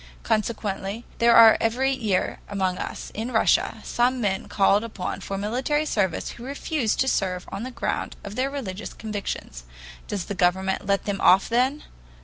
Consequently there are every year among us in Russia some men called upon for military service who refuse to serve on the ground of their religious convictions. Does the government let them off then?